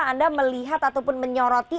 anda melihat ataupun menyoroti